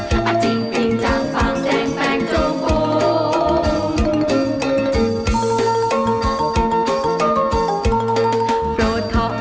ฮักเท่าหอยโฟงจิงปิงจังปังแจงแปงจงโฟง